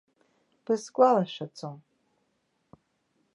Бысгәалашәаӡом.